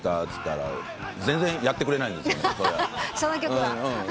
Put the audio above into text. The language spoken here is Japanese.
っつったら全然やってくれないんですよね。